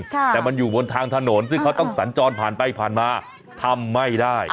แต่มันอยู่บนทางถนนซึ่งเขาต้องสัญจรผ่านไปผ่านมาทำไม่ได้